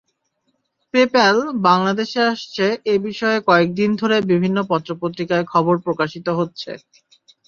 PayPal বাংলাদেশে আসছে—এ বিষয়ে কয়েক দিন ধরে বিভিন্ন পত্রপত্রিকায় খবর প্রকাশিত হচ্ছে।